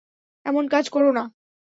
এমন কাজ করো না।